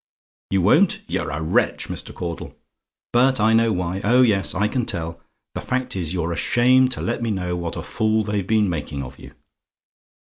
You won't! You're a wretch, Mr. Caudle. "But I know why: oh, yes, I can tell. The fact is, you're ashamed to let me know what a fool they've been making of you.